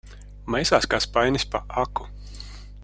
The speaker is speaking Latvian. Maisās kā spainis pa aku.